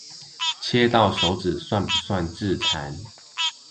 切到手指算不算自殘